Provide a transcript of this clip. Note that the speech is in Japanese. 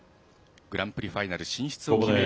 グランプリファイナル進出を決める